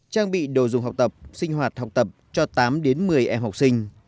trang bị đồ dùng học tập sinh hoạt học tập cho tám đến một mươi em học sinh